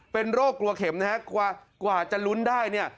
เป็นโรคกลัวเข็มนะฮะกว่าจะลุ้นได้เนี่ย